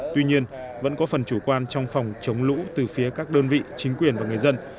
tuy nhiên vẫn có phần chủ quan trong phòng chống lũ từ phía các đơn vị chính quyền và người dân